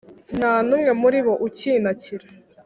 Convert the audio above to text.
nta n’umwe muri bo ukintakira!